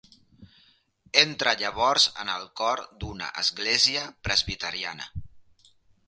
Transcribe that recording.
Entra llavors en el cor d'una església presbiteriana.